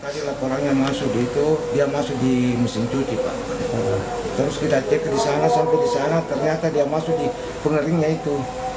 kalau kita cek di sana sampai di sana ternyata dia masuk di pengeringnya itu